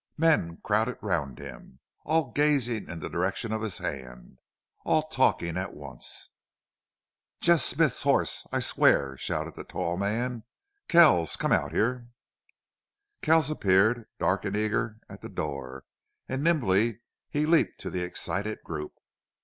Men crowded round him, all gazing in the direction of his hand, all talking at once. "Jesse Smith's hoss, I swear!" shouted the tall man. "Kells, come out here!" Kells appeared, dark and eager, at the door, and nimbly he leaped to the excited group.